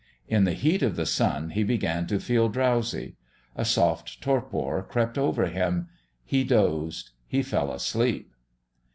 In the heat of the sun he began to feel drowsy. A soft torpor crept over him. He dozed. He fell asleep.